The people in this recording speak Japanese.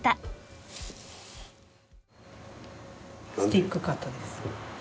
スティックカットです。